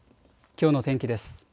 きょうの天気です。